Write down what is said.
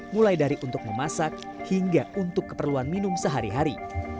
mulai dari untuk memasak hingga untuk keperluan minum sehari hari